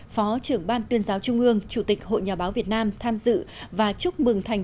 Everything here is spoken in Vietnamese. phó trưởng ban tuyên giáo trung ương chủ tịch hội nhà báo việt nam tham dự và chúc mừng thành